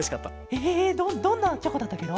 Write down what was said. ええどどんなチョコだったケロ？